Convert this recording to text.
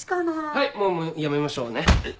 はいもうやめましょうね。うっ！